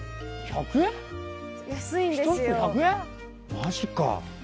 マジか。